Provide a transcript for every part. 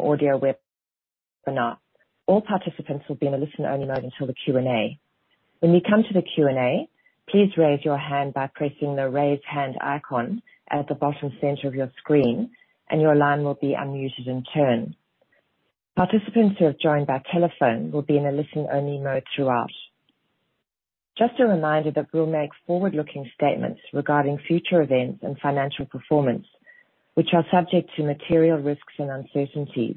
audio web or not. All participants will be in a listen-only mode until the Q&A. When you come to the Q&A, please raise your hand by pressing the Raise Hand icon at the bottom center of your screen, and your line will be unmuted in turn. Participants who have joined by telephone will be in a listen-only mode throughout. Just a reminder that we'll make forward-looking statements regarding future events and financial performance, which are subject to material risks and uncertainties.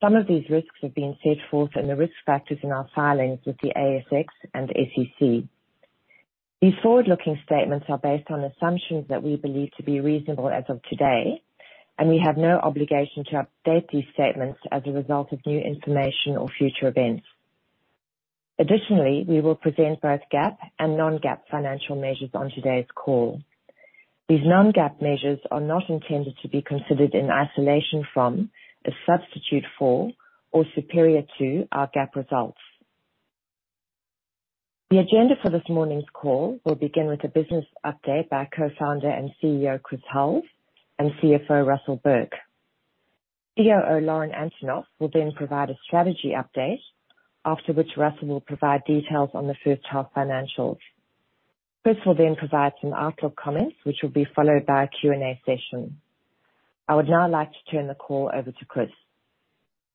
Some of these risks have been set forth in the risk factors in our filings with the ASX and SEC. These forward-looking statements are based on assumptions that we believe to be reasonable as of today, and we have no obligation to update these statements as a result of new information or future events. Additionally, we will present both GAAP and non-GAAP financial measures on today's call. These non-GAAP measures are not intended to be considered in isolation from, a substitute for, or superior to our GAAP results. The agenda for this morning's call will begin with a business update by our Co-founder and CEO, Chris Hulls, and CFO, Russell Burke. COO, Lauren Antonoff, will provide a strategy update, after which Russell will provide details on the first half financials. Chris will provide some outlook comments, which will be followed by a Q&A session. I would now like to turn the call over to Chris.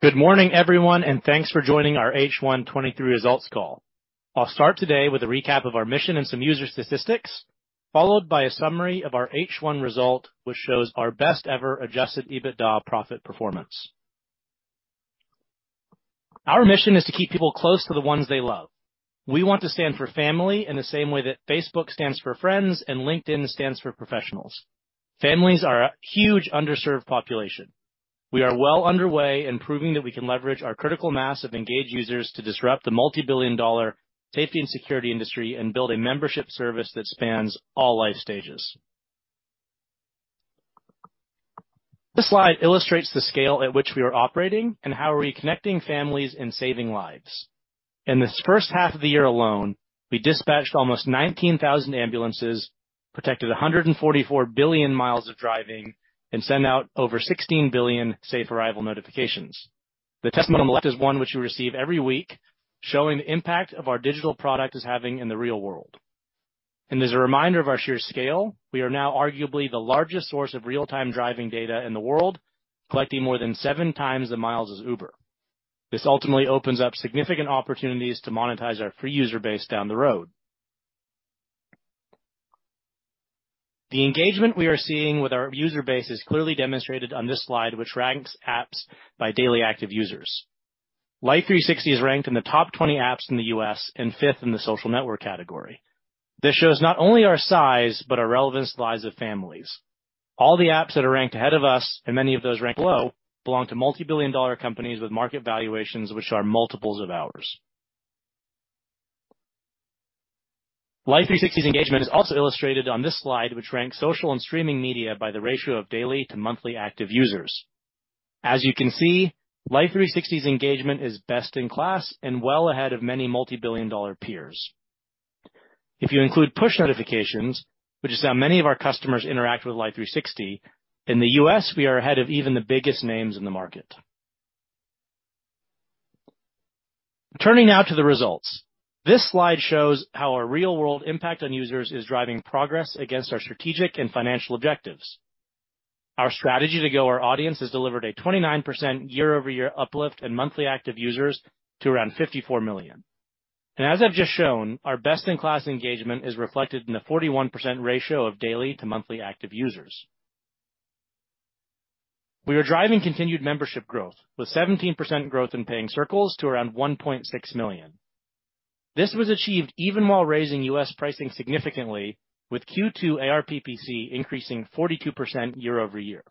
Good morning, everyone, and thanks for joining our H1 2023 results call. I'll start today with a recap of our mission and some user statistics, followed by a summary of our H1 result, which shows our best ever Adjusted EBITDA profit performance. Our mission is to keep people close to the ones they love. We want to stand for family in the same way that Facebook stands for friends and LinkedIn stands for professionals. Families are a huge underserved population. We are well underway in proving that we can leverage our critical mass of engaged users to disrupt the multibillion-dollar safety and security industry and build a membership service that spans all life stages. This slide illustrates the scale at which we are operating and how we're reconnecting families and saving lives. In this first half of the year alone, we dispatched almost 19,000 ambulances, protected 144 billion miles of driving, and sent out over 16 billion safe arrival notifications. The testament on the left is one which we receive every week, showing the impact of our digital product is having in the real world. As a reminder of our sheer scale, we are now arguably the largest source of real-time driving data in the world, collecting more than 7 times the miles as Uber. This ultimately opens up significant opportunities to monetize our free user base down the road. The engagement we are seeing with our user base is clearly demonstrated on this slide, which ranks apps by daily active users. Life360 is ranked in the top 20 apps in the US and fifth in the social network category. This shows not only our size, but our relevance to the lives of families. All the apps that are ranked ahead of us, and many of those ranked below, belong to multibillion-dollar companies with market valuations which are multiples of ours. Life360's engagement is also illustrated on this slide, which ranks social and streaming media by the ratio of daily to monthly active users. As you can see, Life360's engagement is best in class and well ahead of many multibillion-dollar peers. If you include push notifications, which is how many of our customers interact with Life360, in the US, we are ahead of even the biggest names in the market. Turning now to the results. This slide shows how our real-world impact on users is driving progress against our strategic and financial objectives. Our strategy to grow our audience has delivered a 29% year-over-year uplift in monthly active users to around 54 million. As I've just shown, our best-in-class engagement is reflected in the 41% ratio of daily active users to monthly active users. We are driving continued membership growth, with 17% growth in Paying Circles to around 1.6 million. This was achieved even while raising US pricing significantly, with Q2 ARPPC increasing 42% year-over-year.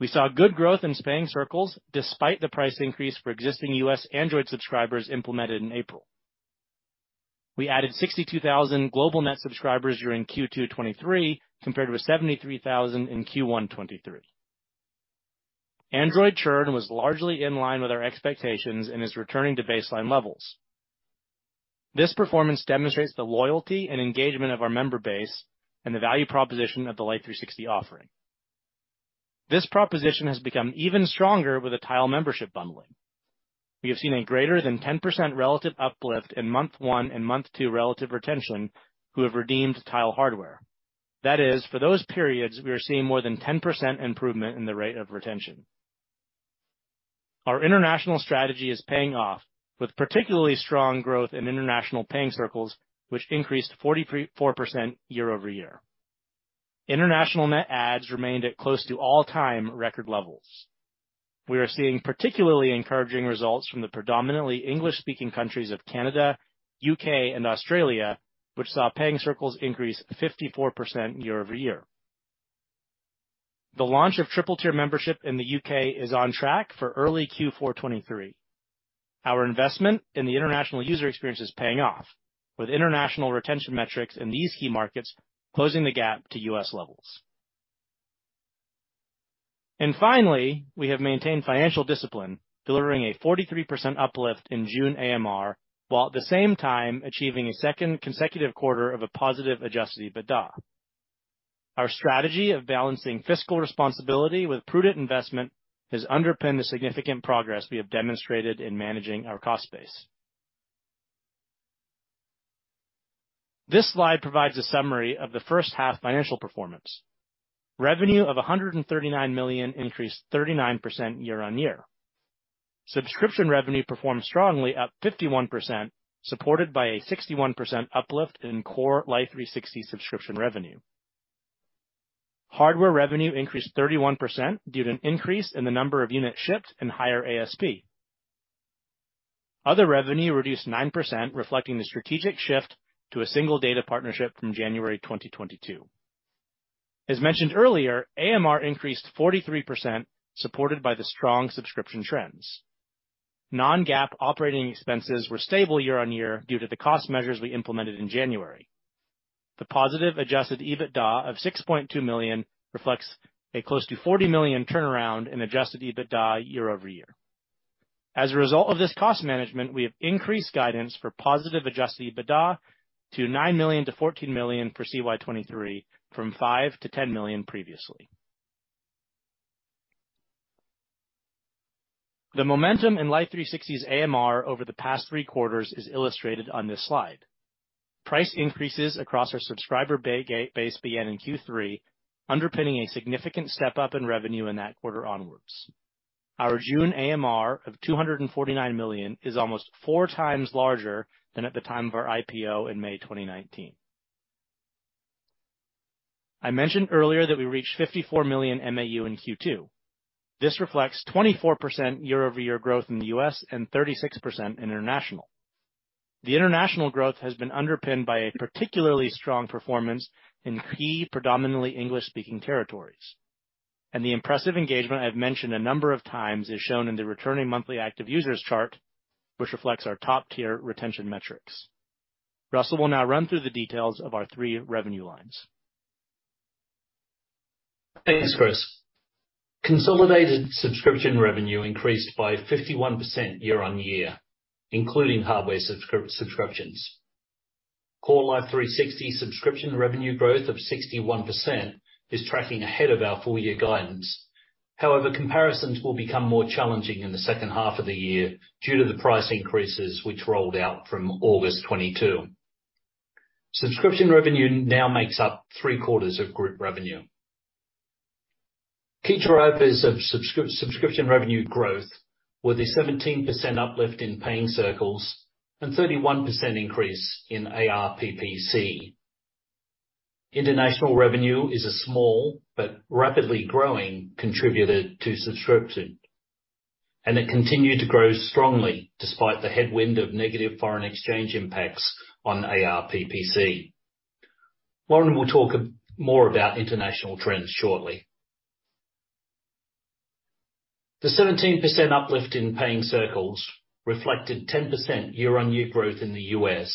We saw good growth in Paying Circles despite the price increase for existing US Android subscribers implemented in April. We added 62,000 global net subscribers during Q2 '23, compared with 73,000 in Q1 '23. Android churn was largely in line with our expectations and is returning to baseline levels. This performance demonstrates the loyalty and engagement of our member base and the value proposition of the Life360 offering. This proposition has become even stronger with the Tile membership bundling. We have seen a greater than 10% relative uplift in month 1 and month 2 relative retention, who have redeemed Tile hardware. That is, for those periods, we are seeing more than 10% improvement in the rate of retention. Our international strategy is paying off, with particularly strong growth in international Paying Circles, which increased 43%-44% year-over-year. International net ads remained at close to all-time record levels. We are seeing particularly encouraging results from the predominantly English-speaking countries of Canada, U.K., and Australia, which saw Paying Circles increase 54% year-over-year. The launch of Triple Tier membership in the U.K. is on track for early Q4 2023. Our investment in the international user experience is paying off, with international retention metrics in these key markets closing the gap to U.S. levels. Finally, we have maintained financial discipline, delivering a 43% uplift in June AMR, while at the same time achieving a second consecutive quarter of a positive Adjusted EBITDA. Our strategy of balancing fiscal responsibility with prudent investment has underpinned the significant progress we have demonstrated in managing our cost base. This slide provides a summary of the first half financial performance. Revenue of $139 million increased 39% year-on-year. Subscription revenue performed strongly, up 51%, supported by a 61% uplift in core Life360 subscription revenue. Hardware revenue increased 31% due to an increase in the number of units shipped and higher ASP. Other revenue reduced 9%, reflecting the strategic shift to a single data partnership from January 2022. As mentioned earlier, AMR increased 43%, supported by the strong subscription trends. Non-GAAP operating expenses were stable year-on-year due to the cost measures we implemented in January. The positive adjusted EBITDA of $6.2 million reflects a close to $40 million turnaround in adjusted EBITDA year-over-year. As a result of this cost management, we have increased guidance for positive adjusted EBITDA to $9 million-$14 million for CY '23, from $5 million-$10 million previously. The momentum in Life360's AMR over the past three quarters is illustrated on this slide. Price increases across our subscriber base began in Q3, underpinning a significant step-up in revenue in that quarter onwards. Our June AMR of $249 million is almost four times larger than at the time of our IPO in May 2019. I mentioned earlier that we reached 54 million MAU in Q2. This reflects 24% year-over-year growth in the US and 36% international. The international growth has been underpinned by a particularly strong performance in key, predominantly English-speaking territories, and the impressive engagement I've mentioned a number of times is shown in the Returning Monthly Active Users chart, which reflects our top-tier retention metrics. Russell will now run through the details of our 3 revenue lines. Thanks, Chris. Consolidated subscription revenue increased by 51% year-on-year, including hardware subscriptions. Core Life360 subscription revenue growth of 61% is tracking ahead of our full year guidance. However, comparisons will become more challenging in the second half of the year due to the price increases which rolled out from August 2022. Subscription revenue now makes up 3/4 of group revenue. Key drivers of subscription revenue growth were the 17% uplift in Paying Circles and 31% increase in ARPPC. International revenue is a small but rapidly growing contributor to subscription, and it continued to grow strongly despite the headwind of negative foreign exchange impacts on ARPPC. Laurren will talk more about international trends shortly. The 17% uplift in Paying Circles reflected 10% year-on-year growth in the US,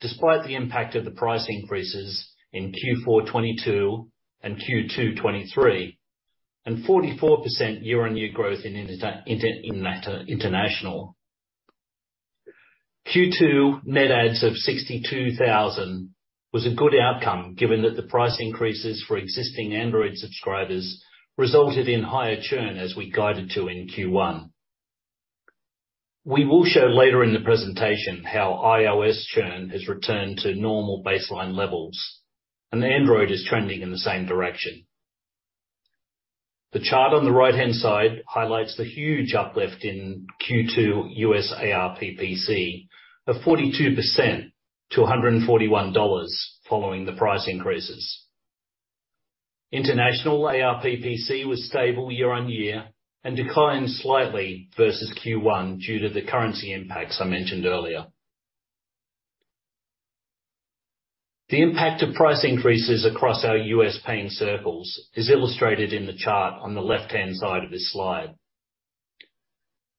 despite the impact of the price increases in Q4 '22 and Q2 '23, and 44% year-on-year growth in international. Q2 net adds of 62,000 was a good outcome, given that the price increases for existing Android subscribers resulted in higher churn, as we guided to in Q1. We will show later in the presentation how iOS churn has returned to normal baseline levels, and Android is trending in the same direction. The chart on the right-hand side highlights the huge uplift in Q2 US ARPPC of 42% to $141 following the price increases. International ARPPC was stable year-on-year and declined slightly versus Q1 due to the currency impacts I mentioned earlier. The impact of price increases across our US paying circles is illustrated in the chart on the left-hand side of this slide.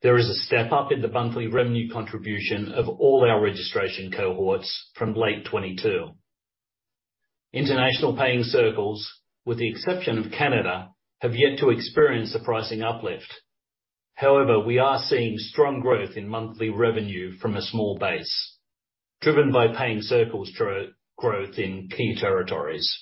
There is a step-up in the monthly revenue contribution of all our registration cohorts from late 2022. International paying circles, with the exception of Canada, have yet to experience a pricing uplift. We are seeing strong growth in monthly revenue from a small base, driven by paying circles through growth in key territories.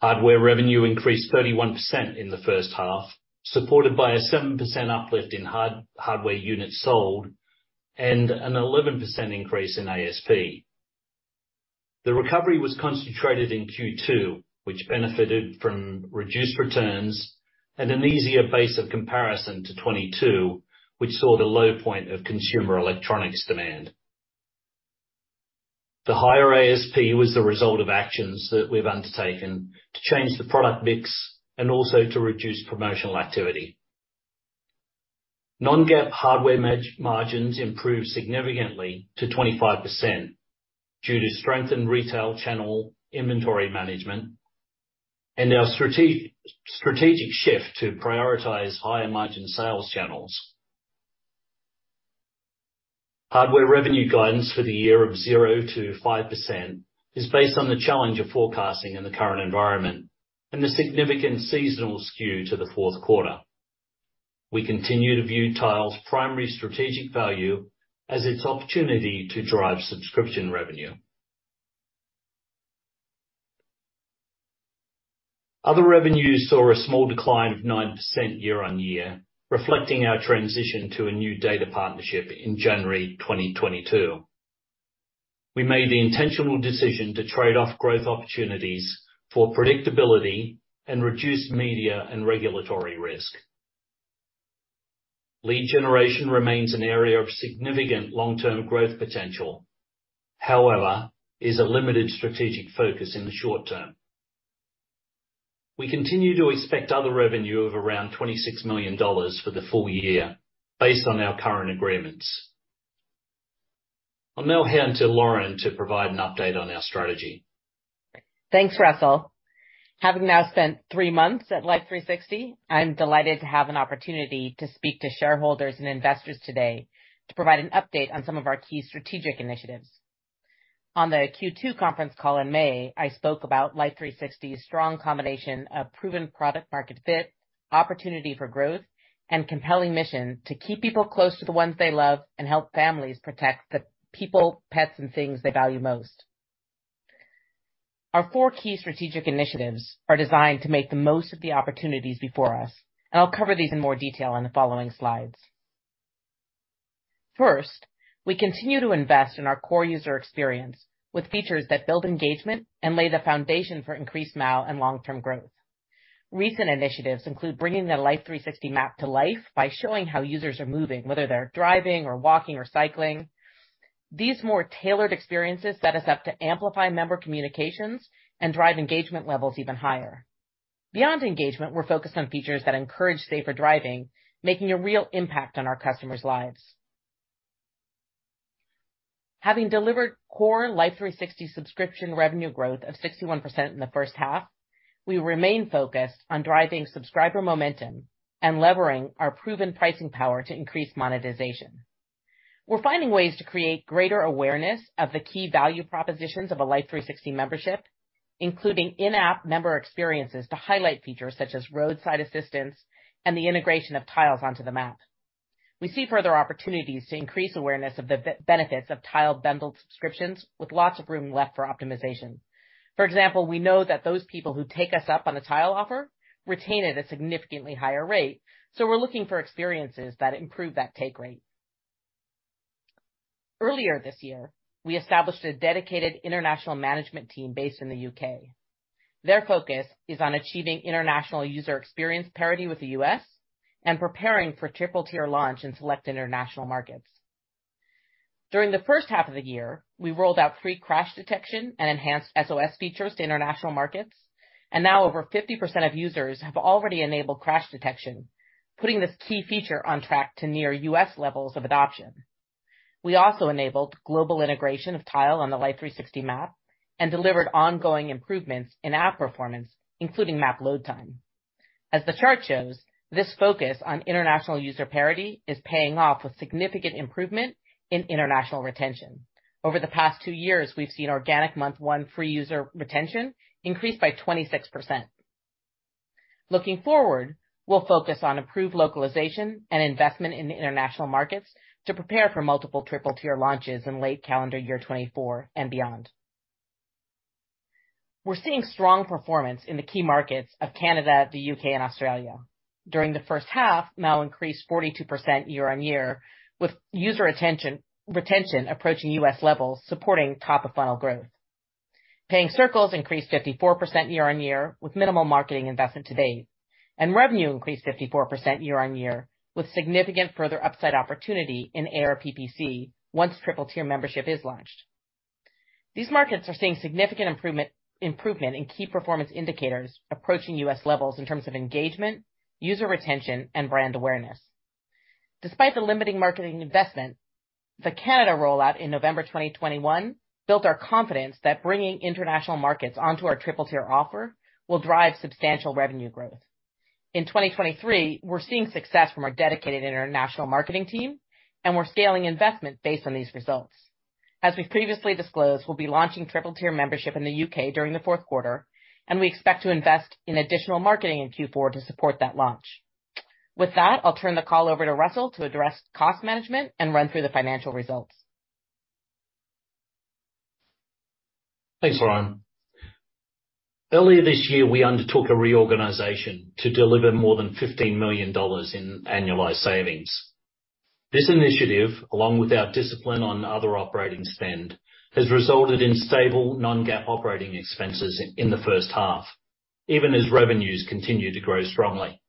Hardware revenue increased 31% in the first half, supported by a 7% uplift in hardware units sold and an 11% increase in ASP. The recovery was concentrated in Q2, which benefited from reduced returns and an easier base of comparison to 2022, which saw the low point of consumer electronics demand. The higher ASP was the result of actions that we've undertaken to change the product mix and also to reduce promotional activity. Non-GAAP hardware margins improved significantly to 25% due to strengthened retail channel inventory management and our strategic shift to prioritize higher-margin sales channels. Hardware revenue guidance for the year of 0%-5% is based on the challenge of forecasting in the current environment and the significant seasonal skew to the fourth quarter. We continue to view Tile's primary strategic value as its opportunity to drive subscription revenue. Other revenues saw a small decline of 9% year-on-year, reflecting our transition to a new data partnership in January 2022. We made the intentional decision to trade off growth opportunities for predictability and reduced media and regulatory risk. Lead generation remains an area of significant long-term growth potential, however, is a limited strategic focus in the short term. We continue to expect other revenue of around $26 million for the full year based on our current agreements. I'll now hand to Lauren to provide an update on our strategy. Thanks, Russell. Having now spent three months at Life360, I'm delighted to have an opportunity to speak to shareholders and investors today to provide an update on some of our key strategic initiatives. On the Q2 conference call in May, I spoke about Life360's strong combination of proven product market fit, opportunity for growth, and compelling mission to keep people close to the ones they love, and help families protect the people, pets, and things they value most. Our four key strategic initiatives are designed to make the most of the opportunities before us, and I'll cover these in more detail on the following slides. First, we continue to invest in our core user experience, with features that build engagement and lay the foundation for increased MAU and long-term growth. Recent initiatives include bringing the Life360 map to life by showing how users are moving, whether they're driving or walking or cycling. These more tailored experiences set us up to amplify member communications and drive engagement levels even higher. Beyond engagement, we're focused on features that encourage safer driving, making a real impact on our customers' lives. Having delivered core Life360 subscription revenue growth of 61% in the first half, we remain focused on driving subscriber momentum and levering our proven pricing power to increase monetization. We're finding ways to create greater awareness of the key value propositions of a Life360 membership, including in-app member experiences, to highlight features such as Roadside Assistance and the integration of Tiles onto the map. We see further opportunities to increase awareness of the benefits of Tile bundled subscriptions, with lots of room left for optimization. For example, we know that those people who take us up on a Tile offer retain at a significantly higher rate, so we're looking for experiences that improve that take rate. Earlier this year, we established a dedicated international management team based in the UK. Their focus is on achieving international user experience parity with the US, and preparing for Triple Tier launch in select international markets. During the first half of the year, we rolled out free Crash Detection and enhanced SOS features to international markets, and now over 50% of users have already enabled Crash Detection, putting this key feature on track to near US levels of adoption. We also enabled global integration of Tile on the Life360 map and delivered ongoing improvements in app performance, including map load time. As the chart shows, this focus on international user parity is paying off with significant improvement in international retention. Over the past 2 years, we've seen organic month-one free user retention increase by 26%. Looking forward, we'll focus on improved localization and investment in the international markets to prepare for multiple Triple Tier launches in late calendar year 2024 and beyond. We're seeing strong performance in the key markets of Canada, the UK, and Australia. During the first half, MAU increased 42% year-on-year, with user retention approaching US levels, supporting top-of-funnel growth. Paying Circles increased 54% year-on-year, with minimal marketing investment to date, and revenue increased 54% year-on-year, with significant further upside opportunity in ARPPC once Triple Tier membership is launched. These markets are seeing significant improvement in key performance indicators approaching US levels in terms of engagement, user retention, and brand awareness. Despite the limiting marketing investment, the Canada rollout in November 2021 built our confidence that bringing international markets onto our Triple Tier offer will drive substantial revenue growth. In 2023, we're seeing success from our dedicated international marketing team, and we're scaling investment based on these results. As we've previously disclosed, we'll be launching Triple Tier membership in the UK during the fourth quarter, and we expect to invest in additional marketing in Q4 to support that launch. With that, I'll turn the call over to Russell to address cost management and run through the financial results. Thanks, Lauren. Earlier this year, we undertook a reorganization to deliver more than $15 million in annualized savings. This initiative, along with our discipline on other operating spend, has resulted in stable non-GAAP operating expenses in the first half, even as revenues continue to grow strongly.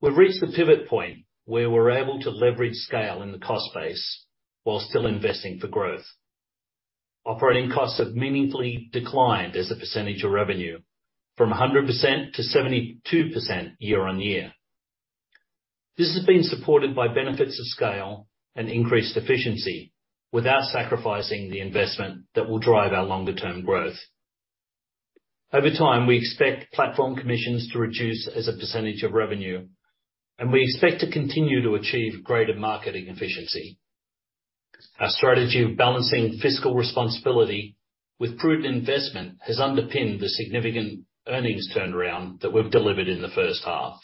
We've reached the pivot point where we're able to leverage scale in the cost base while still investing for growth. Operating costs have meaningfully declined as a percentage of revenue from 100%-72% year-on-year. This has been supported by benefits of scale and increased efficiency, without sacrificing the investment that will drive our longer-term growth. Over time, we expect platform commissions to reduce as a percentage of revenue, and we expect to continue to achieve greater marketing efficiency.... Our strategy of balancing fiscal responsibility with prudent investment has underpinned the significant earnings turnaround that we've delivered in the first half.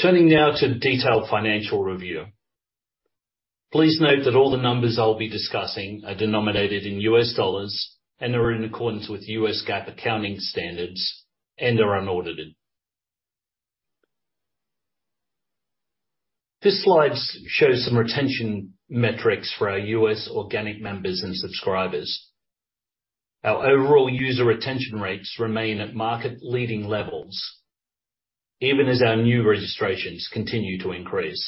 Turning now to the detailed financial review. Please note that all the numbers I'll be discussing are denominated in US dollars and are in accordance with US GAAP accounting standards and are unaudited. This slide shows some retention metrics for our US organic members and subscribers. Our overall user retention rates remain at market-leading levels, even as our new registrations continue to increase.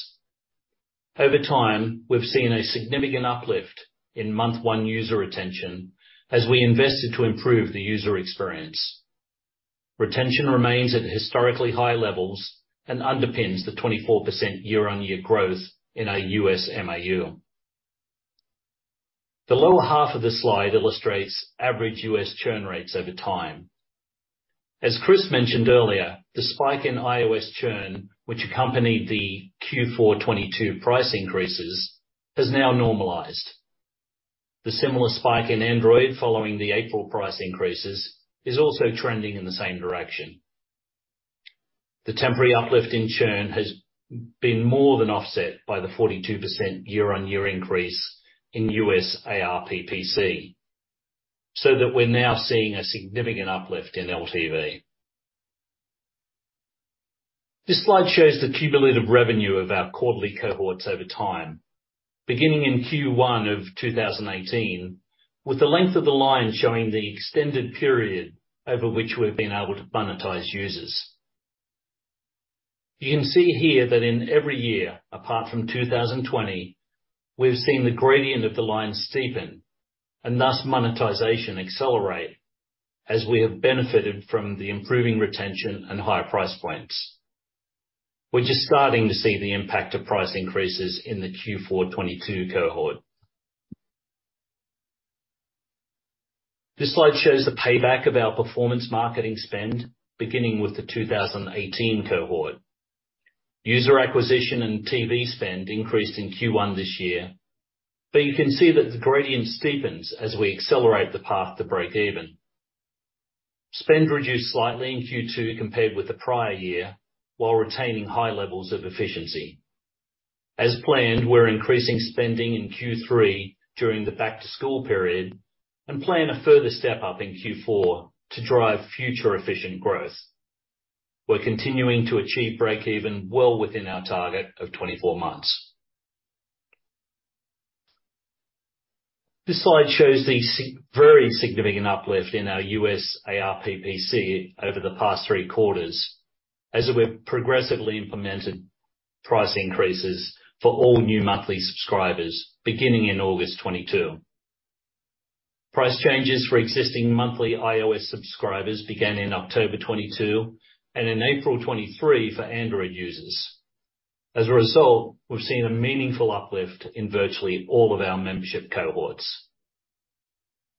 Over time, we've seen a significant uplift in month one user retention as we invested to improve the user experience. Retention remains at historically high levels and underpins the 24% year-on-year growth in our US MAU. The lower half of this slide illustrates average US churn rates over time. As Chris mentioned earlier, the spike in iOS churn, which accompanied the Q4 2022 price increases, has now normalized. The similar spike in Android following the April price increases is also trending in the same direction. The temporary uplift in churn has been more than offset by the 42% year-on-year increase in US ARPPC, so that we're now seeing a significant uplift in LTV. This slide shows the cumulative revenue of our quarterly cohorts over time, beginning in Q1 2018, with the length of the line showing the extended period over which we've been able to monetize users. You can see here that in every year, apart from 2020, we've seen the gradient of the line steepen and thus monetization accelerate as we have benefited from the improving retention and higher price points. We're just starting to see the impact of price increases in the Q4 2022 cohort. This slide shows the payback of our performance marketing spend, beginning with the 2018 cohort. User acquisition and TV spend increased in Q1 this year, you can see that the gradient steepens as we accelerate the path to breakeven. Spend reduced slightly in Q2 compared with the prior year, while retaining high levels of efficiency. As planned, we're increasing spending in Q3 during the back-to-school period and plan a further step-up in Q4 to drive future efficient growth. We're continuing to achieve breakeven well within our target of 24 months. This slide shows the very significant uplift in our US ARPPC over the past 3 quarters, as we progressively implemented price increases for all new monthly subscribers beginning in August 2022. Price changes for existing monthly iOS subscribers began in October 2022, and in April 2023 for Android users. As a result, we've seen a meaningful uplift in virtually all of our membership cohorts.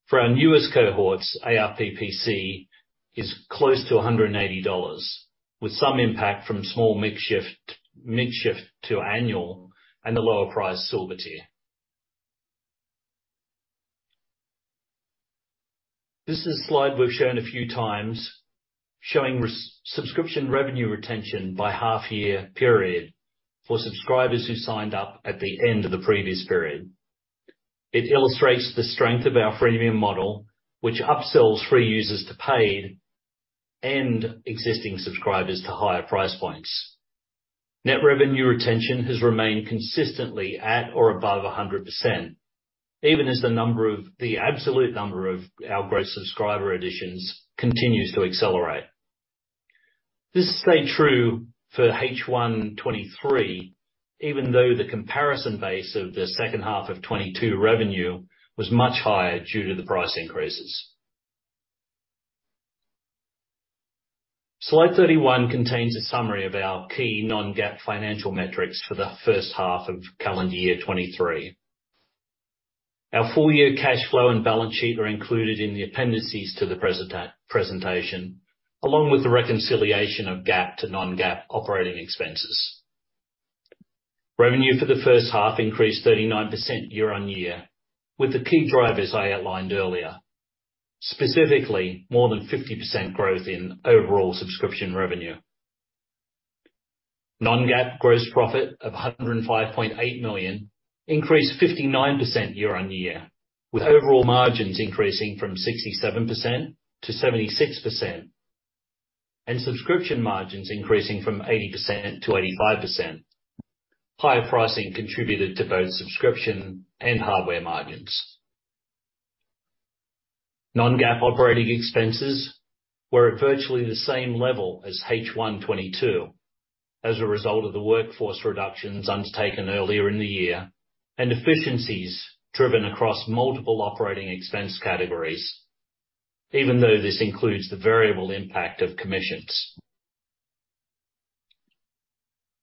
For our newest cohorts, ARPPC is close to $180, with some impact from small mix shift, mix shift to annual and the lower price Silver tier. This is a slide we've shown a few times, showing subscription revenue retention by half year period for subscribers who signed up at the end of the previous period. It illustrates the strength of our freemium model, which upsells free users to paid and existing subscribers to higher price points. Net revenue retention has remained consistently at or above 100%, even as the absolute number of our gross subscriber additions continues to accelerate. This stayed true for H1 '23, even though the comparison base of the second half of 2022 revenue was much higher due to the price increases. Slide 31 contains a summary of our key non-GAAP financial metrics for the first half of calendar year 2023. Our full year cash flow and balance sheet are included in the appendices to the presentation, along with the reconciliation of GAAP to non-GAAP operating expenses. Revenue for the first half increased 39% year-over-year, with the key drivers I outlined earlier, specifically more than 50% growth in overall subscription revenue. non-GAAP gross profit of $105.8 million increased 59% year-over-year, with overall margins increasing from 67% to 76%, and subscription margins increasing from 80% to 85%. Higher pricing contributed to both subscription and hardware margins. Non-GAAP operating expenses were at virtually the same level as H1 2022, as a result of the workforce reductions undertaken earlier in the year and efficiencies driven across multiple operating expense categories, even though this includes the variable impact of commissions.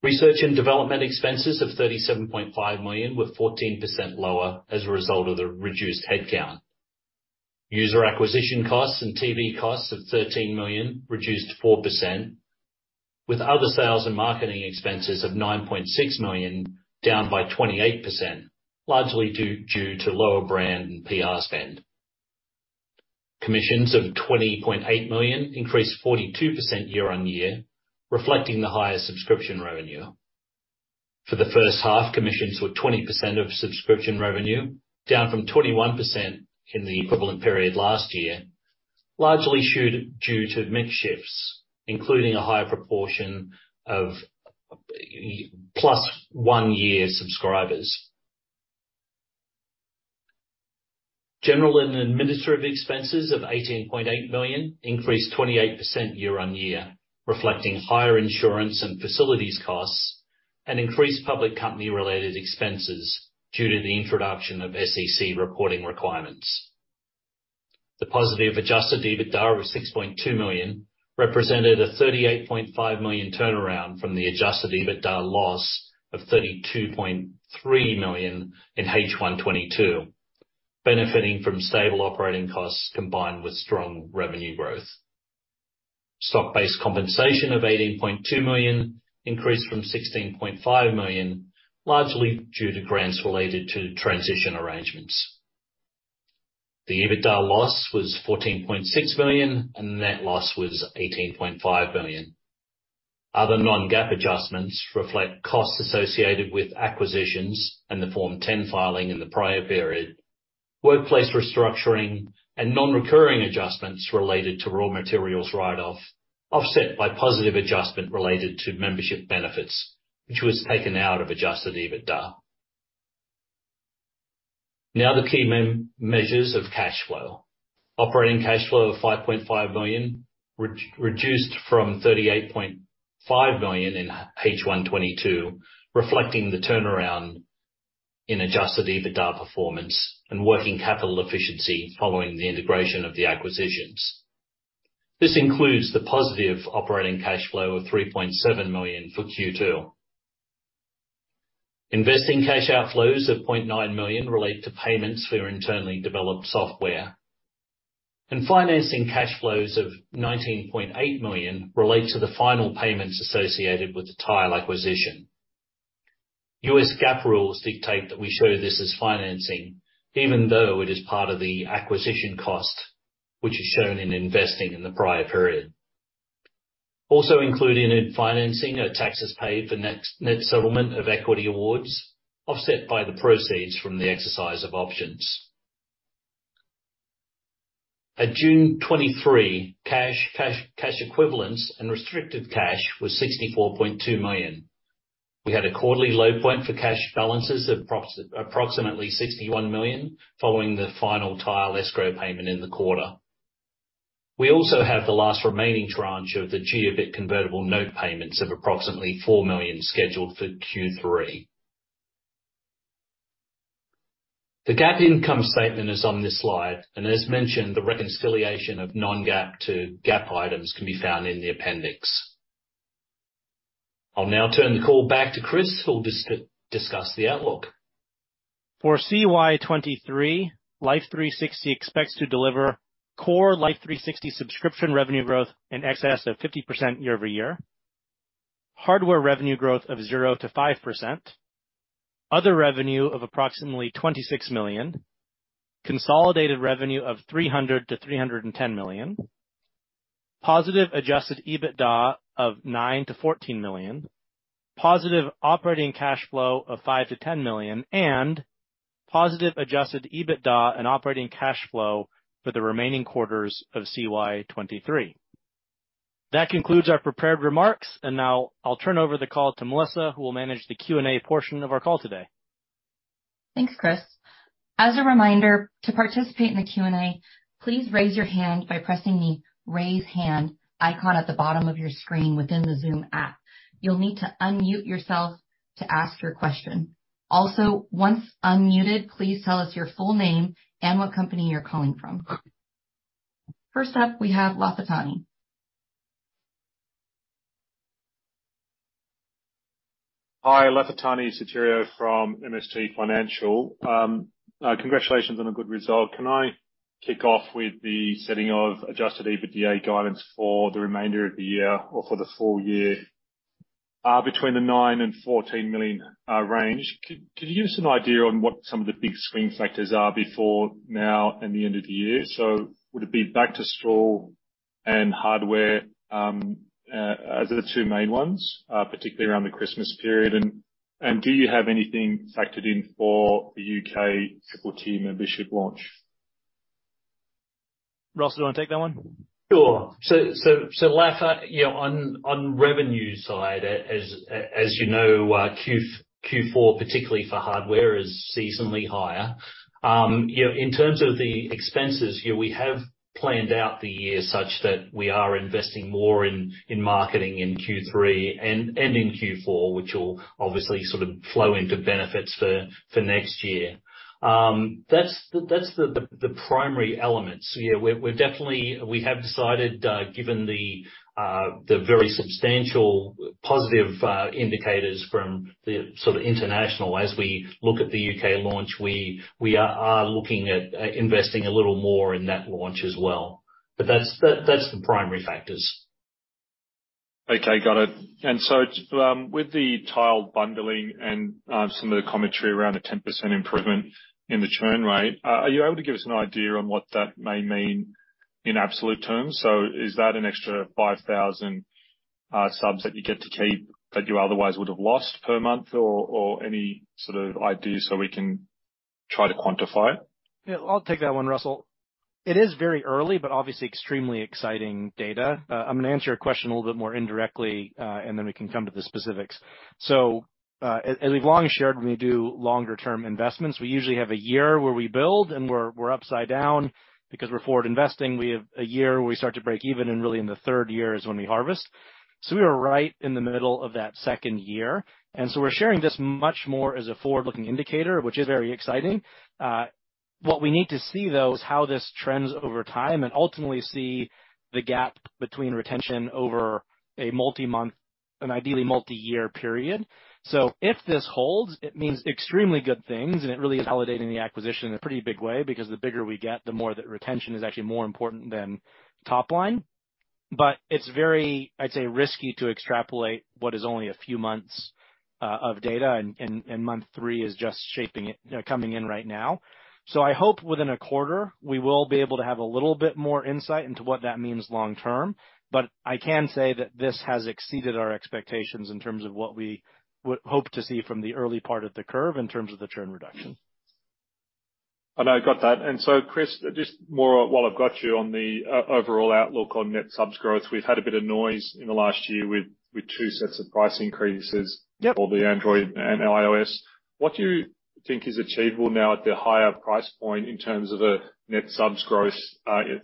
Research and development expenses of $37.5 million were 14% lower as a result of the reduced headcount. User acquisition costs and TV costs of $13 million, reduced 4%, with other sales and marketing expenses of $9.6 million, down by 28%, largely due to lower brand and PR spend. Commissions of $20.8 million increased 42% year-on-year, reflecting the higher subscription revenue. For the first half, commissions were 20% of subscription revenue, down from 21% in the equivalent period last year, largely due to mix shifts, including a higher proportion of plus 1-year subscribers. General and administrative expenses of $18.8 million increased 28% year-on-year, reflecting higher insurance and facilities costs, and increased public company-related expenses due to the introduction of SEC reporting requirements. The positive Adjusted EBITDA of $6.2 million represented a $38.5 million turnaround from the Adjusted EBITDA loss of $32.3 million in H1 2022, benefiting from stable operating costs combined with strong revenue growth. Stock-based compensation of $18.2 million increased from $16.5 million, largely due to grants related to transition arrangements. The EBITDA loss was $14.6 million, and net loss was $18.5 million. Other non-GAAP adjustments reflect costs associated with acquisitions and the Form 10 filing in the prior period, workplace restructuring and non-recurring adjustments related to raw materials write-off, offset by positive adjustment related to membership benefits, which was taken out of Adjusted EBITDA. Now, the key measures of cash flow. Operating cash flow of $5.5 million, reduced from $38.5 million in H1 '22, reflecting the turnaround in Adjusted EBITDA performance and working capital efficiency following the integration of the acquisitions. This includes the positive operating cash flow of $3.7 million for Q2. Investing cash outflows of $0.9 million relate to payments for internally developed software. Financing cash flows of $19.8 million relate to the final payments associated with the Tile acquisition. US GAAP rules dictate that we show this as financing, even though it is part of the acquisition cost, which is shown in investing in the prior period. Also included in financing are taxes paid for net settlement of equity awards, offset by the proceeds from the exercise of options. At June 23, cash, cash equivalents and restricted cash was $64.2 million. We had a quarterly low point for cash balances of approximately $61 million, following the final Tile escrow payment in the quarter. We also have the last remaining tranche of the Jiobit convertible note payments of approximately $4 million, scheduled for Q3. The GAAP income statement is on this slide, and as mentioned, the reconciliation of non-GAAP to GAAP items can be found in the appendix. I'll now turn the call back to Chris, who'll discuss the outlook. For CY 2023, Life360 expects to deliver core Life360 subscription revenue growth in excess of 50% year-over-year, hardware revenue growth of 0%-5%, other revenue of approximately $26 million, consolidated revenue of $300 million-$310 million, positive Adjusted EBITDA of $9 million-$14 million, positive operating cash flow of $5 million-$10 million, and positive Adjusted EBITDA and operating cash flow for the remaining quarters of CY 2023. That concludes our prepared remarks, and now I'll turn over the call to Melissa, who will manage the Q&A portion of our call today. Thanks, Chris. As a reminder, to participate in the Q&A, please raise your hand by pressing the Raise Hand icon at the bottom of your screen within the Zoom app. You'll need to unmute yourself to ask your question. Also, once unmuted, please tell us your full name and what company you're calling from. First up, we have Lafitani. Hi, Lafitani Sotiriou from MST Financial. Congratulations on a good result. Can I kick off with the setting of Adjusted EBITDA guidance for the remainder of the year or for the full year? Between the $9 million-$14 million range, could you give us an idea on what some of the big swing factors are before, now, and the end of the year? Would it be back to school and hardware as the two main ones, particularly around the Christmas period, and do you have anything factored in for the UK Triple Tier membership launch? Russ, do you want to take that one? Sure. Lafa, you know, on revenue side, as you know, Q4, particularly for hardware, is seasonally higher. In terms of the expenses, you know, we have planned out the year such that we are investing more in marketing in Q3 and in Q4, which will obviously sort of flow into benefits for next year. That's the primary elements. Yeah, we're definitely, we have decided, given the very substantial positive indicators from the sort of international, as we look at the UK launch, we are looking at investing a little more in that launch as well. That's the primary factors. Okay, got it. With the Tile bundling and some of the commentary around the 10% improvement in the churn rate, are you able to give us an idea on what that may mean in absolute terms? Is that an extra 5,000 subs that you get to keep, that you otherwise would have lost per month? Any sort of idea so we can try to quantify it? Yeah, I'll take that one, Russell. It is very early, but obviously extremely exciting data. I'm gonna answer your question a little bit more indirectly, and then we can come to the specifics. As we've long shared, when we do longer term investments, we usually have a year where we build and we're upside down because we're forward investing. We have a year where we start to break even, and really in the third year is when we harvest. We are right in the middle of that second year, and so we're sharing this much more as a forward-looking indicator, which is very exciting. What we need to see, though, is how this trends over time, and ultimately see the gap between retention over a multi-month and ideally multi-year period. If this holds, it means extremely good things, and it really is validating the acquisition in a pretty big way, because the bigger we get, the more that retention is actually more important than top line. It's very, I'd say, risky to extrapolate what is only a few months of data, and, and, and month three is just shaping, coming in right now. I hope within a quarter we will be able to have a little bit more insight into what that means long term. I can say that this has exceeded our expectations in terms of what we would hope to see from the early part of the curve in terms of the churn reduction. I got that. Chris, just more, while I've got you on the overall outlook on net subs growth, we've had a bit of noise in the last year with two sets of price increases- Yep. -for the Android and iOS. What do you think is achievable now at the higher price point in terms of a net subs growth,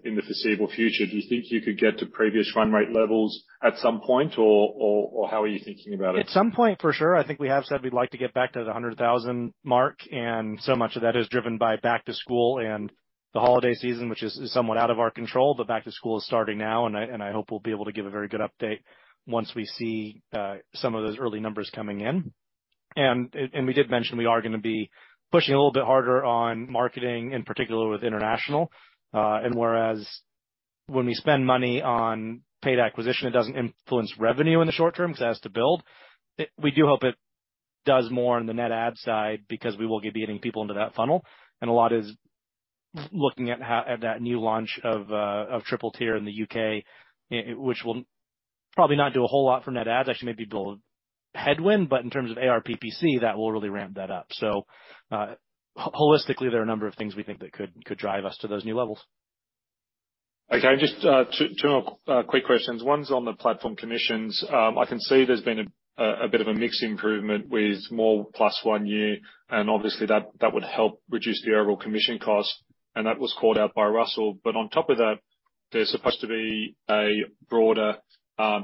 in the foreseeable future? Do you think you could get to previous run rate levels at some point, or how are you thinking about it? At some point, for sure. I think we have said we'd like to get back to the 100,000 mark. So much of that is driven by back to school and the holiday season, which is somewhat out of our control. Back to school is starting now, and I hope we'll be able to give a very good update once we see some of those early numbers coming in. We did mention we are gonna be pushing a little bit harder on marketing, in particular with international. Whereas when we spend money on paid acquisition, it doesn't influence revenue in the short term because it has to build. We do hope it does more on the net ad side because we will be getting people into that funnel. A lot is looking at that new launch of Triple Tier in the UK, which will probably not do a whole lot for net ads, actually, maybe build headwind. In terms of ARPPC, that will really ramp that up. Holistically, there are a number of things we think that could, could drive us to those new levels. Okay, just 2, 2 more quick questions. One's on the platform commissions. I can see there's been a bit of a mixed improvement with more plus 1 year, and obviously that, that would help reduce the overall commission cost, and that was called out by Russell. On top of that, there's supposed to be a broader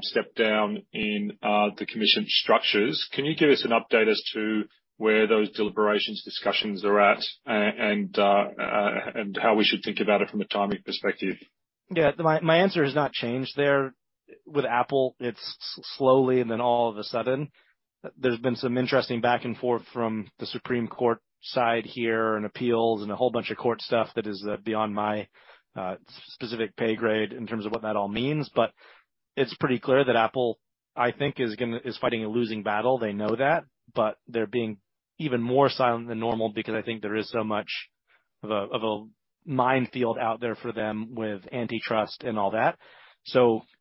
step down in the commission structures. Can you give us an update as to where those deliberations, discussions are at and how we should think about it from a timing perspective? Yeah, my, my answer has not changed there. With Apple, it's slowly, and then all of a sudden. There's been some interesting back and forth from the Supreme Court side here and appeals and a whole bunch of court stuff that is beyond my specific pay grade in terms of what that all means. But it's pretty clear that Apple, I think, is gonna is fighting a losing battle. They know that, but they're being even more silent than normal because I think there is so much of a, of a minefield out there for them with antitrust and all that.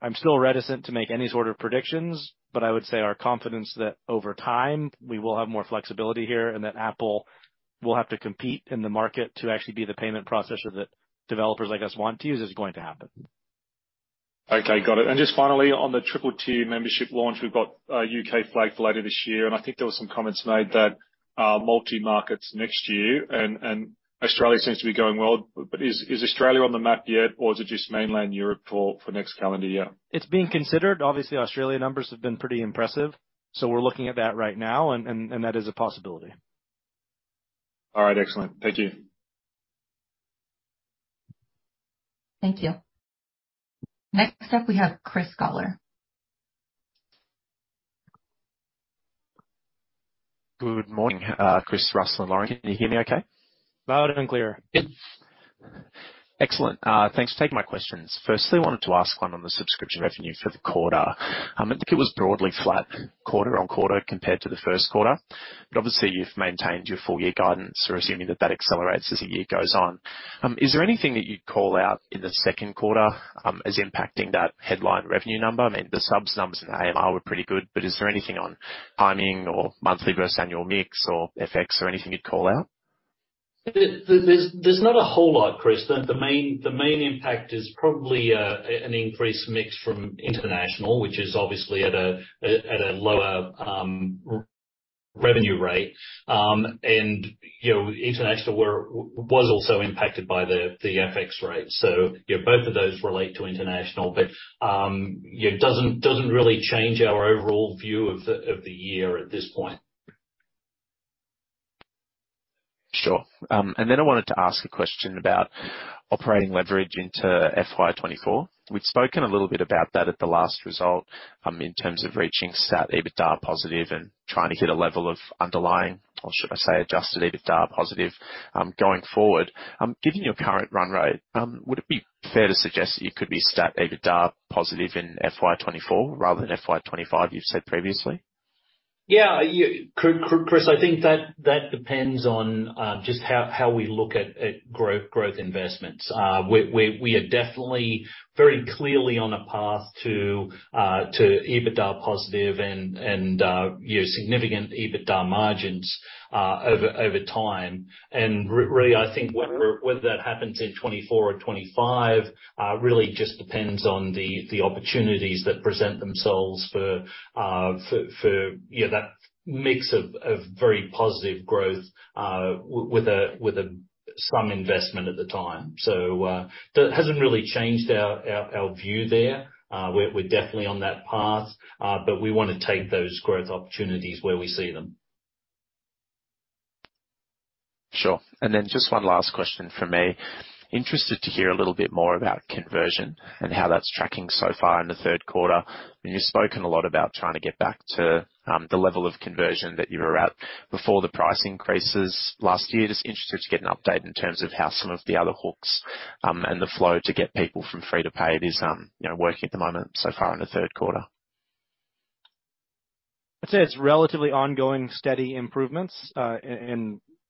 I'm still reticent to make any sort of predictions, but I would say our confidence that over time, we will have more flexibility here, and that Apple will have to compete in the market to actually be the payment processor that developers like us want to use, is going to happen. Okay, got it. Just finally, on the Triple Tier membership launch, we've got a U.K. flag for later this year. I think there were some comments made that multi-market's next year. Australia seems to be going well. Is Australia on the map yet, or is it just mainland Europe for next calendar year? It's being considered. Obviously, Australia numbers have been pretty impressive, so we're looking at that right now, and that is a possibility. All right. Excellent. Thank you. Thank you. Next up, we have Chris Schoeller. Good morning, Chris, Russell, and Lauren. Can you hear me okay? Loud and clear. Yep. Excellent. Thanks for taking my questions. Firstly, I wanted to ask one on the subscription revenue for the quarter. I think it was broadly flat quarter on quarter, compared to the first quarter, but obviously you've maintained your full year guidance, we're assuming that that accelerates as the year goes on. Is there anything that you'd call out in the second quarter, as impacting that headline revenue number? I mean, the subs numbers in the AMR were pretty good, but is there anything on timing or monthly versus annual mix or FX or anything you'd call out? There's not a whole lot, Chris. The main impact is probably an increased mix from international, which is obviously at a lower revenue rate. You know, international was also impacted by the FX rate. You know, both of those relate to international, but, you know, doesn't really change our overall view of the year at this point. Sure. I wanted to ask a question about operating leverage into FY24. We'd spoken a little bit about that at the last result, in terms of reaching stat EBITDA positive and trying to hit a level of underlying, or should I say, Adjusted EBITDA positive, going forward. Given your current run rate, would it be fair to suggest that you could be stat EBITDA positive in FY24 rather than FY25, you've said previously? Yeah, you, Chris, I think that depends on just how we look at growth investments. We are definitely very clearly on a path to EBITDA positive and, yeah, significant EBITDA margins over time. Really, I think whether that happens in 2024 or 2025 really just depends on the opportunities that present themselves for, for, you know, that mix of very positive growth with some investment at the time. That hasn't really changed our view there. We're definitely on that path, but we want to take those growth opportunities where we see them. Sure. Then just one last question from me. Interested to hear a little bit more about conversion and how that's tracking so far in the third quarter. You've spoken a lot about trying to get back to the level of conversion that you were at before the price increases last year. Just interested to get an update in terms of how some of the other hooks and the flow to get people from free to paid is, you know, working at the moment so far in the third quarter. I'd say it's relatively ongoing, steady improvements.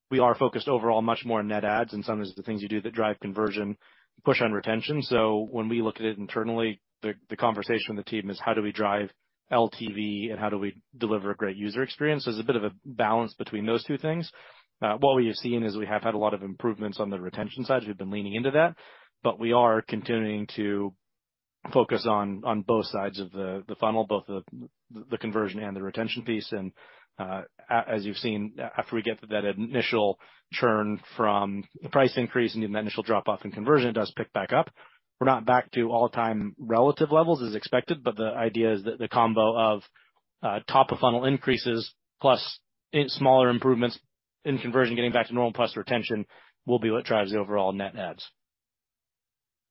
We are focused overall much more on net adds, and some of the things you do that drive conversion, push on retention. When we look at it internally, the, the conversation with the team is how do we drive LTV, and how do we deliver a great user experience? There's a bit of a balance between those two things. What we have seen is we have had a lot of improvements on the retention side. We've been leaning into that, but we are continuing to focus on, on both sides of the, the funnel, both the, the conversion and the retention piece. As you've seen, after we get that initial churn from the price increase and then that initial drop off in conversion, it does pick back up. We're not back to all-time relative levels as expected. The idea is that the combo of top of funnel increases, plus in smaller improvements in conversion getting back to normal, plus retention, will be what drives the overall net ads.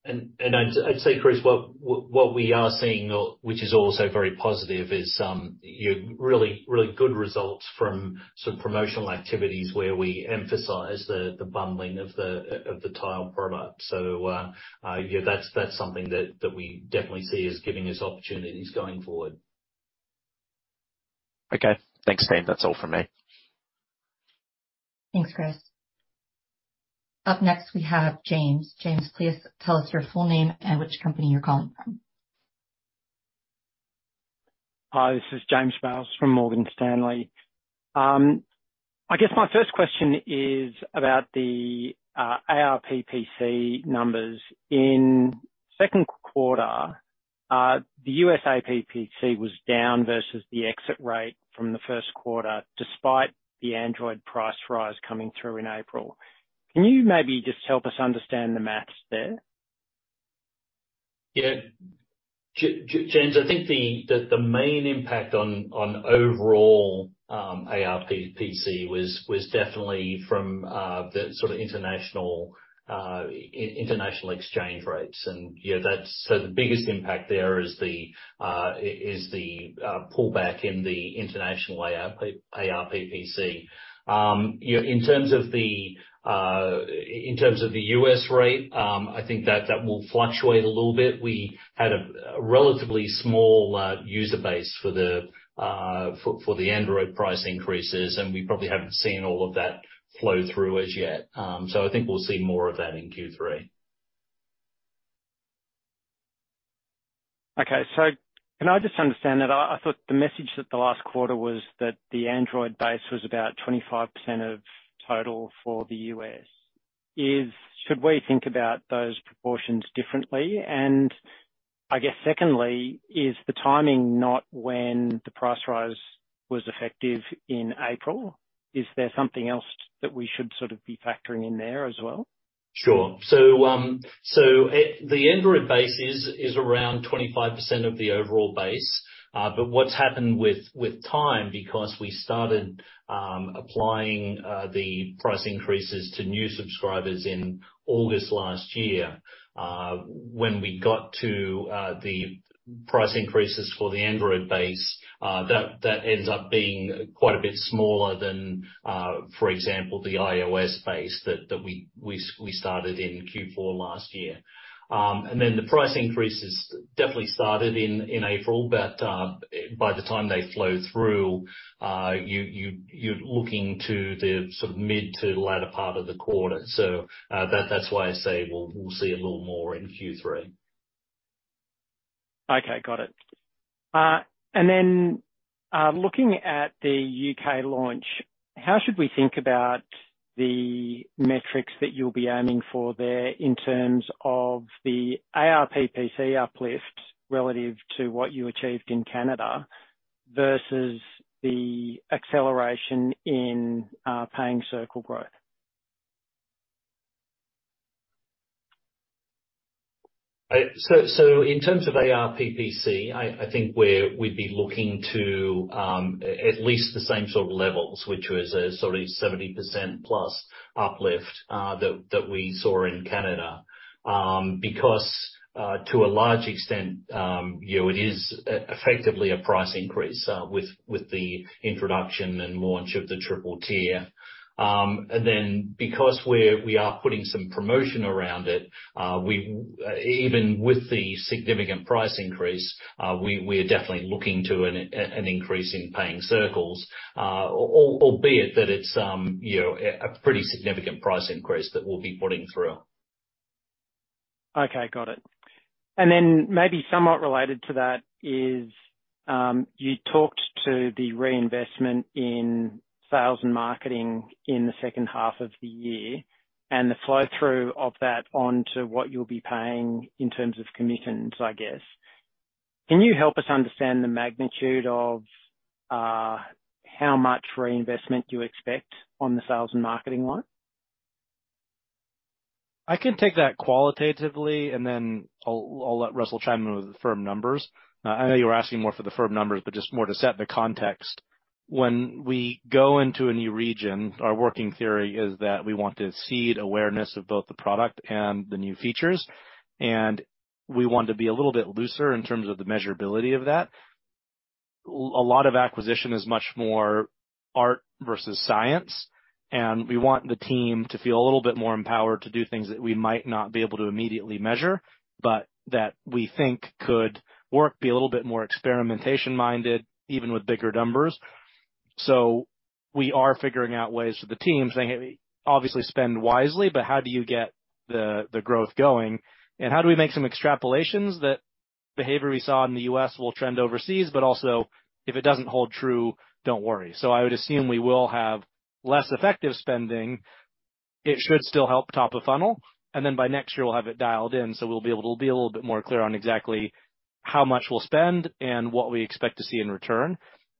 I'd, I'd say, Chris, what, what we are seeing, which is also very positive, is, you know, really, really good results from some promotional activities where we emphasize the, the bundling of the, of the Tile product. Yeah, that's, that's something that, that we definitely see as giving us opportunities going forward. Okay. Thanks, then. That's all from me. Thanks, Chris. Up next, we have James. James, please tell us your full name and which company you're calling from? Hi, this is James Bales from Morgan Stanley. I guess my first question is about the ARPPC numbers. In 2Q, the US APPC was down versus the exit rate from the 1Q, despite the Android price rise coming through in April. Can you maybe just help us understand the math there? Yeah. James, I think the main impact on overall ARPPC was definitely from the sort of international exchange rates. Yeah, that's so the biggest impact there is the pullback in the international ARPPC. You know, in terms of the US rate, I think that will fluctuate a little bit. We had a relatively small user base for the Android price increases, and we probably haven't seen all of that flow through as yet. I think we'll see more of that in Q3. Okay. can I just understand that? I thought the message that the last quarter was that the Android base was about 25% of total for the US. should we think about those proportions differently? I guess secondly, is the timing not when the price rise was effective in April? Is there something else that we should sort of be factoring in there as well? Sure. The Android base is, is around 25% of the overall base. What's happened with, with time, because we started applying the price increases to new subscribers in August last year, when we got to the price increases for the Android base, that, that ends up being quite a bit smaller than, for example, the iOS base that, that we, we started in Q4 last year. The price increases definitely started in, in April, by the time they flow through, you, you, you're looking to the sort of mid to latter part of the quarter. That, that's why I say we'll, we'll see a little more in Q3. Okay, got it. Looking at the UK launch, how should we think about the metrics that you'll be aiming for there in terms of the ARPPC uplift relative to what you achieved in Canada versus the acceleration in Paying Circle growth? In terms of ARPPC, I think we'd be looking to at least the same sort of levels, which was a 70% plus uplift that we saw in Canada. Because to a large extent, you know, it is effectively a price increase with the introduction and launch of the Triple Tier. Because we are putting some promotion around it, we, even with the significant price increase, we're definitely looking to an increase in Paying Circles. Albeit that it's, you know, a pretty significant price increase that we'll be putting through. Okay, got it. Then maybe somewhat related to that is, you talked to the reinvestment in sales and marketing in the second half of the year, and the flow-through of that onto what you'll be paying in terms of commissions, I guess. Can you help us understand the magnitude of, how much reinvestment you expect on the sales and marketing line? I can take that qualitatively, and then I'll, I'll let Russell chime in with the firm numbers. I know you were asking more for the firm numbers, but just more to set the context. When we go into a new region, our working theory is that we want to seed awareness of both the product and the new features, and we want to be a little bit looser in terms of the measurability of that. A lot of acquisition is much more art versus science, and we want the team to feel a little bit more empowered to do things that we might not be able to immediately measure, but that we think could work, be a little bit more experimentation-minded, even with bigger numbers. We are figuring out ways for the teams, they obviously spend wisely, but how do you get the, the growth going? How do we make some extrapolations that behavior we saw in the US will trend overseas, but also if it doesn't hold true, don't worry. I would assume we will have less effective spending. It should still help top of funnel, and then by next year, we'll have it dialed in, so we'll be able to be a little bit more clear on exactly how much we'll spend and what we expect to see in return.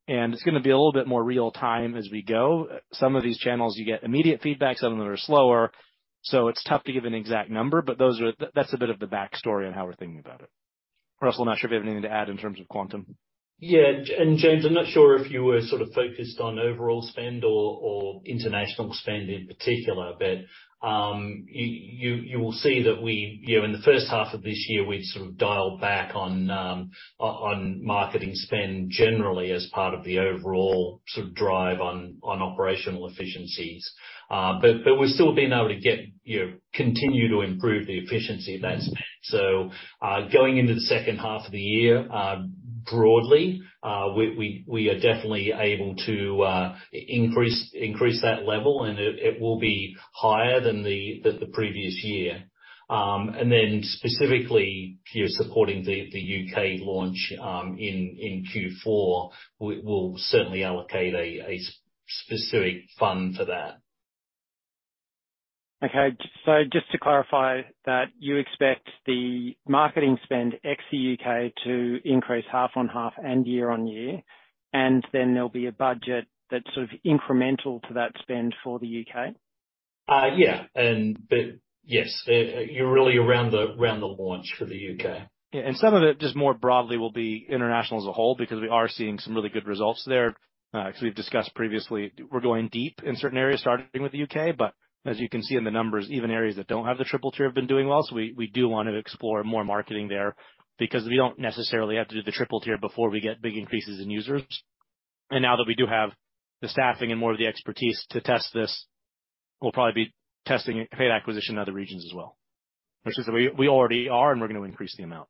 It's gonna be a little bit more real time as we go. Some of these channels, you get immediate feedback, some of them are slower. It's tough to give an exact number, but That's a bit of the backstory on how we're thinking about it. Russell, not sure if you have anything to add in terms of quantum. Yeah. James, I'm not sure if you were sort of focused on overall spend or, or international spend in particular, but you, you, you will see that we, you know, in the first half of this year, we've sort of dialed back on, on marketing spend generally as part of the overall sort of drive on operational efficiencies. But we've still been able to get, you know, continue to improve the efficiency of that spend. Going into the second half of the year, broadly, we, we, we are definitely able to increase, increase that level, and it, it will be higher than the previous year. Then specifically, you know, supporting the UK launch in Q4, we will certainly allocate a specific fund for that. Okay. just to clarify that you expect the marketing spend ex the UK to increase half-on-half and year-on-year, and then there'll be a budget that's sort of incremental to that spend for the UK? Yeah, and but yes, really around the, around the launch for the UK. Yeah, and some of it, just more broadly, will be international as a whole, because we are seeing some really good results there. As we've discussed previously, we're going deep in certain areas, starting with the UK, but as you can see in the numbers, even areas that don't have the Triple Tier have been doing well. We, we do want to explore more marketing there because we don't necessarily have to do the Triple Tier before we get big increases in users. Now that we do have the staffing and more of the expertise to test this, we'll probably be testing paid acquisition in other regions as well. Is that we, we already are, and we're going to increase the amount.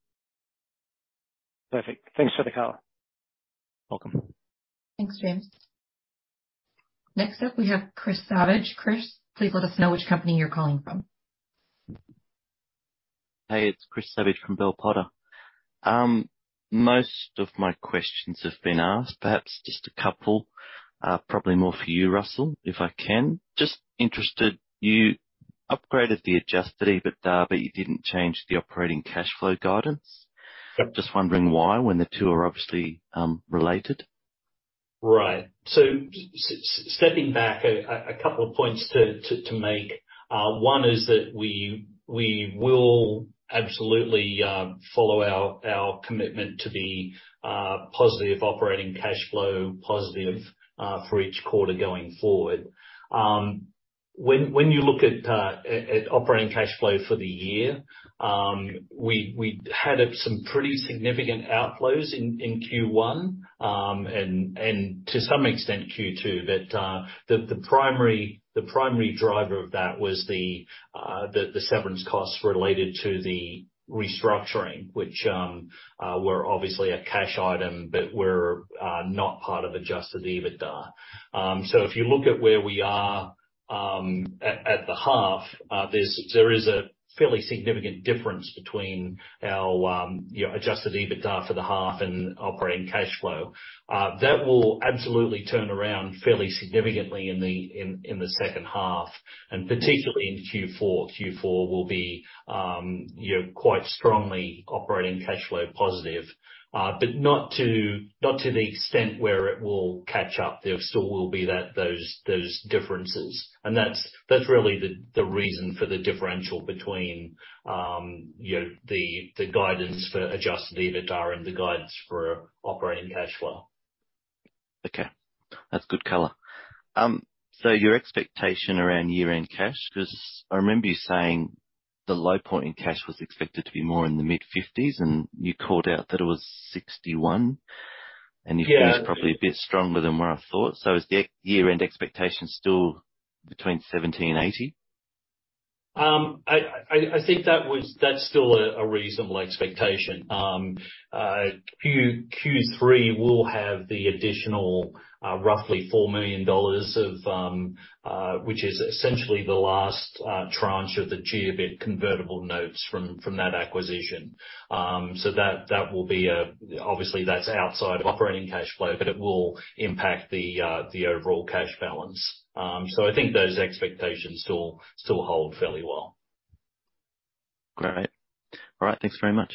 Perfect. Thanks for the color. Welcome. Thanks, James. Next up, we have Chris Savage. Chris, please let us know which company you're calling from. Hey, it's Chris Savage from Bell Potter. Most of my questions have been asked. Perhaps just a couple, probably more for you, Russell, if I can. Just interested, you upgraded the Adjusted EBITDA, but you didn't change the operating cash flow guidance. Yep. Just wondering why, when the two are obviously, related. Right. Stepping back, a couple of points to make. One is that we will absolutely follow our commitment to the positive operating cash flow, positive for each quarter going forward. When you look at operating cash flow for the year, we had some pretty significant outflows in Q1 and to some extent, Q2, that the primary driver of that was the severance costs related to the restructuring, which were obviously a cash item, but were not part of Adjusted EBITDA. If you look at where we are at the half, there is a fairly significant difference between our, you know, Adjusted EBITDA for the half and operating cash flow. That will absolutely turn around fairly significantly in the second half, and particularly in Q4. Q4 will be, you know, quite strongly operating cash flow positive, but not to, not to the extent where it will catch up. There still will be that, those, those differences. That's, that's really the, the reason for the differential between, you know, the, the guidance for Adjusted EBITDA and the guidance for operating cash flow. Okay. That's good color. So your expectation around year-end cash, because I remember you saying the low point in cash was expected to be more in the mid-$50s, and you called out that it was $61. Yeah. It was probably a bit stronger than what I thought. Is the year-end expectation still between $70 million and $80 million? I, I, I think that was, that's still a reasonable expectation. Q3 will have the additional roughly $4 million of which is essentially the last tranche of the Jiobit convertible notes from that acquisition. That, that will be obviously, that's outside of operating cash flow, but it will impact the overall cash balance. I think those expectations still, still hold fairly well. Great. All right, thanks very much.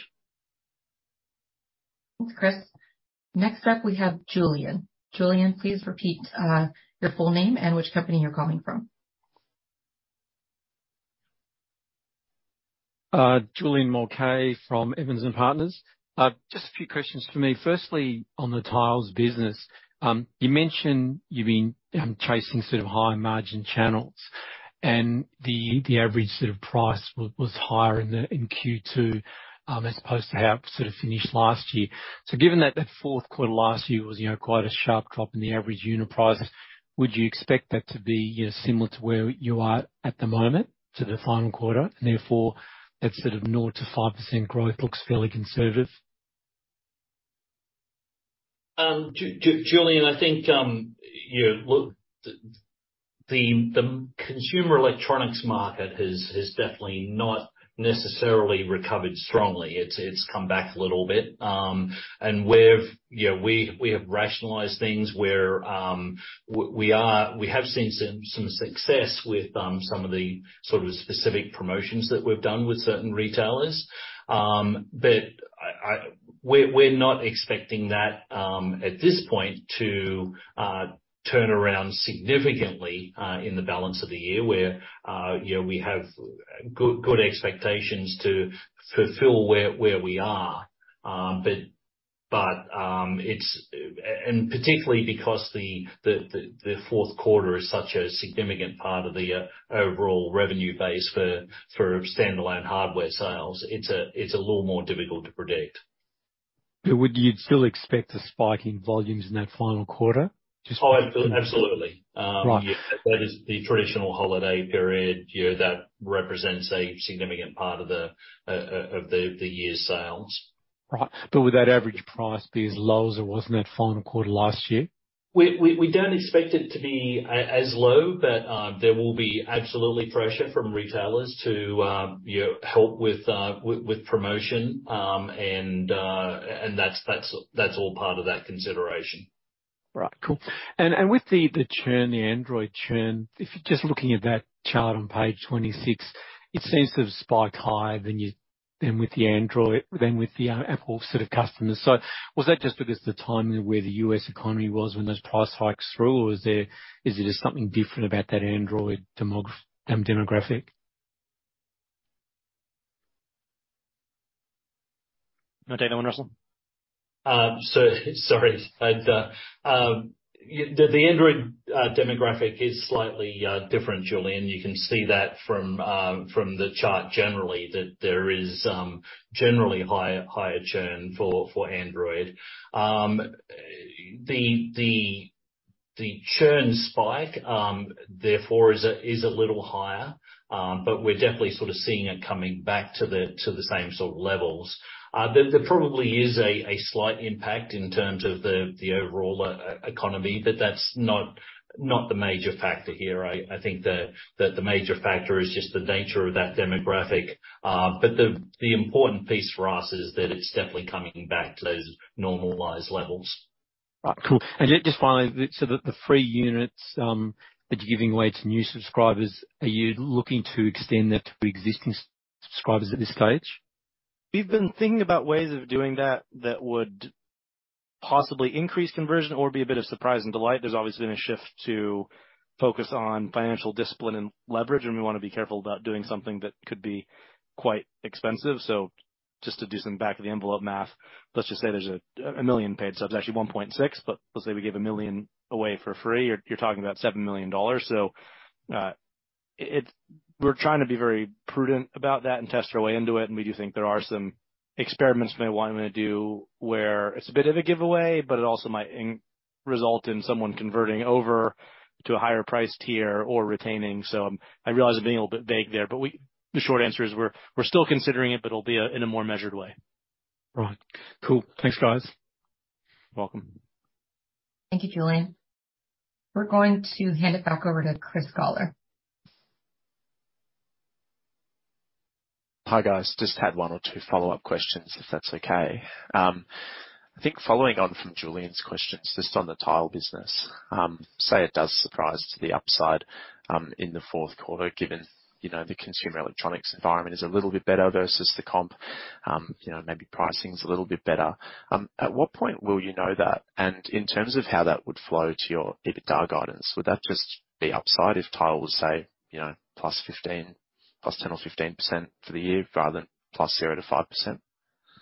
Thanks, Chris. Next up, we have Julian. Julian, please repeat your full name and which company you're calling from? Julian Mulcahy from Evans and Partners. Just a few questions for me. Firstly, on the Tile business. You mentioned you've been chasing sort of higher margin channels, and the, the average sort of price was, was higher in the, in Q2, as opposed to how it sort of finished last year. So given that that fourth quarter last year was, you know, quite a sharp drop in the average unit price, would you expect that to be, you know, similar to where you are at the moment, to the final quarter, and therefore that sort of 0%-5% growth looks fairly conservative? Julian, I think, you know, look, the, the consumer electronics market has, has definitely not necessarily recovered strongly. It's, it's come back a little bit. We've, you know, we, we have rationalized things where we have seen some, some success with some of the sort of specific promotions that we've done with certain retailers. We're, we're not expecting that at this point, to turn around significantly in the balance of the year, where, you know, we have good, good expectations to fulfill where, where we are. It's... particularly because the, the, the, the fourth quarter is such a significant part of the overall revenue base for, for standalone hardware sales, it's a, it's a little more difficult to predict. Would you still expect a spike in volumes in that final quarter? Just- Oh, absolutely. Right. Yeah, that is the traditional holiday period. You know, that represents a significant part of the year's sales. Right. Would that average price be as low as it was in that final quarter last year? We don't expect it to be as low, but there will be absolutely pressure from retailers to, you know, help with promotion. That's all part of that consideration. Right. Cool. With the churn, the Android churn, if you're just looking at that chart on page 26, it seems to have spiked higher than with the Android, than with the Apple sort of customers. Was that just because the timing of where the US economy was when those price hikes through, or was there, is it just something different about that Android demographic? No data one, Russell? Sorry. I'd... yeah, the Android demographic is slightly different, Julian. You can see that from the chart generally, that there is generally higher, higher churn for Android. The churn spike, therefore, is a little higher, but we're definitely sort of seeing it coming back to the same sort of levels. There probably is a slight impact in terms of the overall economy, but that's not, not the major factor here. I think that the major factor is just the nature of that demographic. The important piece for us is that it's definitely coming back to those normalized levels. Right. Cool. Just finally, the free units that you're giving away to new subscribers, are you looking to extend that to existing subscribers at this stage? We've been thinking about ways of doing that, that would possibly increase conversion or be a bit of surprise and delight. There's obviously been a shift to focus on financial discipline and leverage. We want to be careful about doing something that could be quite expensive. Just to do some back of the envelope math, let's just say there's a, 1 million paid subs, actually 1.6, but let's say we gave 1 million away for free. You're talking about $7 million. We're trying to be very prudent about that and test our way into it. We do think there are some experiments we may want to do where it's a bit of a giveaway, but it also might result in someone converting over to a higher priced tier or retaining. I realize I'm being a little bit vague there, but we-- the short answer is we're, we're still considering it, but it'll be in a more measured way. Right. Cool. Thanks, guys. Welcome. Thank you, Julian. We're going to hand it back over to Chris Hulls. Hi, guys, just had one or two follow-up questions, if that's okay. I think following on from Julian's questions, just on the Tile business. Say, it does surprise to the upside in the fourth quarter, given, you know, the consumer electronics environment is a little bit better versus the comp. You know, maybe pricing is a little bit better. At what point will you know that? In terms of how that would flow to your EBITDA guidance, would that just be upside if Tile was, say, you know, +15%, +10% or +15% for the year, rather than +0% to +5%?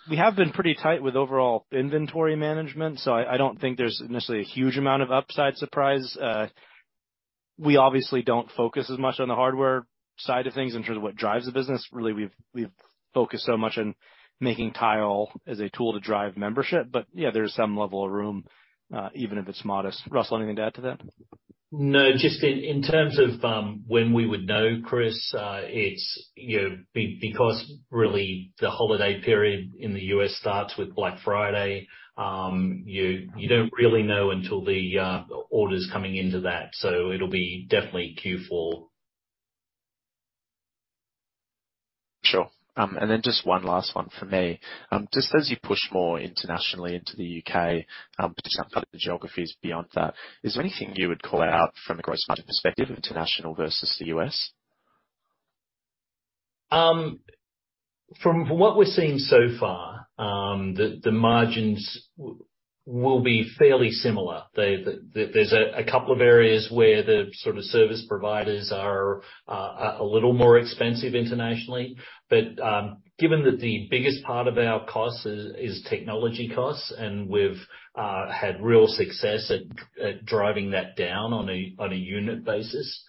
We have been pretty tight with overall inventory management, so I don't think there's necessarily a huge amount of upside surprise. We obviously don't focus as much on the hardware side of things in terms of what drives the business. Really, we've focused so much on making Tile as a tool to drive membership. Yeah, there's some level of room, even if it's modest. Russell, anything to add to that? No, just in, in terms of, when we would know, Chris, it's, you know, because really the holiday period in the US starts with Black Friday, you, you don't really know until the orders coming into that, so it'll be definitely Q4. Sure. Then just one last one from me. Just as you push more internationally into the UK, to some other geographies beyond that, is there anything you would call out from a gross margin perspective, international versus the US? From what we're seeing so far, the margins will be fairly similar. There's a couple of areas where the sort of service providers are a little more expensive internationally. Given that the biggest part of our cost is technology costs, and we've had real success at driving that down on a unit basis,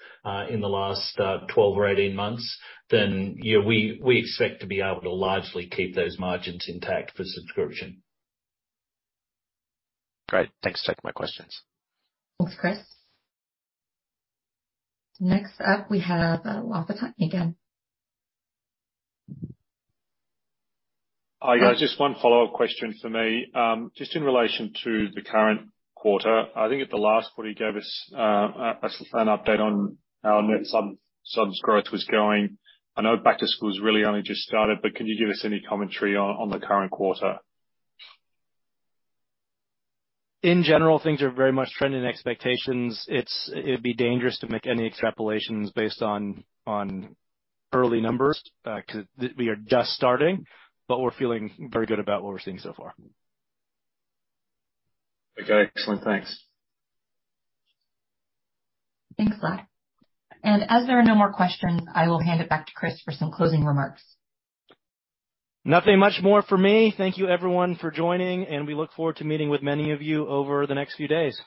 in the last 12 or 18 months, we expect to be able to largely keep those margins intact for subscription. Great. Thanks for taking my questions. Thanks, Chris. Next up, we have, Wafaa Ighneiwa. Hi, guys. Just 1 follow-up question for me. Just in relation to the current quarter, I think at the last quarter, you gave us an update on how net subs growth was going. I know back to school has really only just started, can you give us any commentary on the current quarter? In general, things are very much trending expectations. It'd be dangerous to make any extrapolations based on early numbers, because we are just starting, but we're feeling very good about what we're seeing so far. Okay, excellent. Thanks. Thanks, Wafaa. As there are no more questions, I will hand it back to Chris for some closing remarks. Nothing much more from me. Thank you, everyone, for joining, and we look forward to meeting with many of you over the next few days.